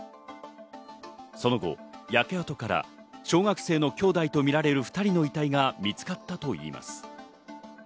その後、焼け跡から小学生の兄弟２人とみられる遺体が見つかったといいます。